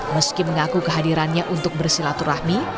meski mengaku kehadirannya untuk bersilaturahmi